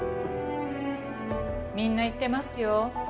みんな言ってますよ。